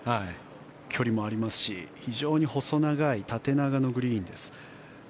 距離もありますし非常に細長い縦長のグリーンです。